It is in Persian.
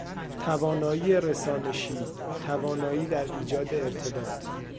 توانایی رسانشی، توانایی در ایجاد ارتباط